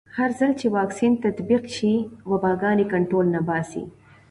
هرځل چې واکسین تطبیق شي، وباګانې کنټرول نه باسي.